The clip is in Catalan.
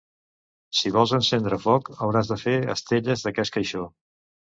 Si vols encendre foc, hauràs de fer estelles d'aquest caixó.